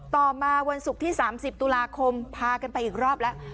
ต่อมาวันศุกร์ที่๓๐ตุลาคมพากันไปอีกรอบแล้ว